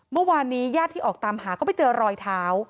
เมื่อวานนี้ญาติที่ออกตามหาก็ไม่เจอรอยเท้า